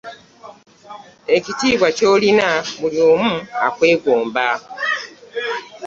Ekitiibwa ky'olina buli omu akwegomba.